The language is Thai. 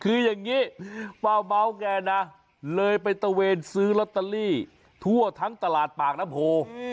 คืออย่างนี้ป้าเม้าแกนะเลยไปตะเวนซื้อลอตเตอรี่ทั่วทั้งตลาดปากน้ำโพ